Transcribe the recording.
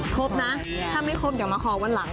ครบนะถ้าไม่ครบเดี๋ยวมาขอวันหลัง